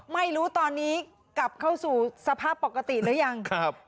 ไม่รู้ตอนนี้กลับเข้าสู่สภาพปกติหรือยังครับ